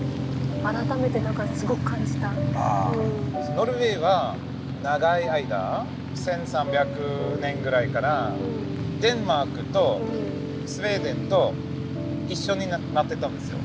ノルウェーは長い間１，３００年くらいからデンマークとスウェーデンと一緒になってたんですよ。